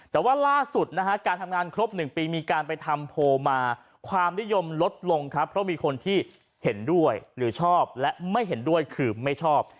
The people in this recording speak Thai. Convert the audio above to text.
แต่ว่าล่าสุดนะฮะการทำงานครบ๑ปีมีการไปทำโพลมาความนิยมลดลงครับเพราะมีคนที่เห็นด้วยหรือชอบและไม่เห็นด้วยคือไม่ชอบ